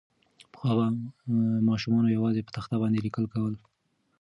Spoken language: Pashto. پخوا به ماسومانو یوازې په تخته باندې لیکل کول.